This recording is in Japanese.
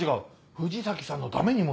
藤崎さんのためにもさ。